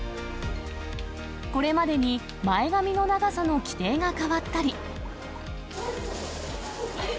これまでに前髪の長さの規定が変わったり。